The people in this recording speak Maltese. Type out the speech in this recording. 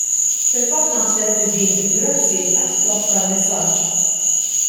Fil-fatt naħseb li din il-" grazzi " qed twassal messaġġ.